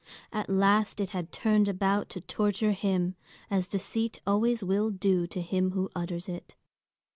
At last it had turned about to torture him, as deceit always will do to him who utters it.